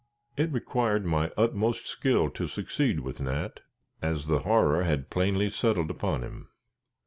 It required my utmost skill to succeed with Nat, as the horror had plainly settled upon him.